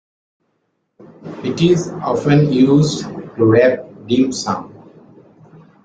It is often used to wrap dim sum.